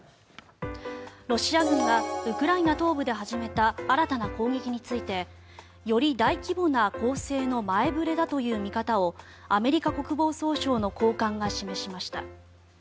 ロシア軍がウクライナ東部で始めた新たな攻撃についてより大規模な攻勢の前触れだという見方をアメリカ国防総省の高官が示しました。